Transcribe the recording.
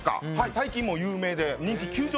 最近有名で。